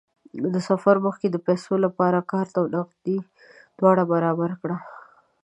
د سفر مخکې د پیسو لپاره کارت او نغدې دواړه برابرې کړه.